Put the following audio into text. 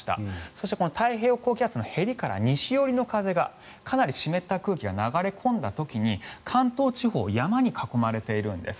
そして、太平洋高気圧のへりから西寄りの風がかなり湿った空気が流れ込んだ時に関東地方山に囲まれているんです。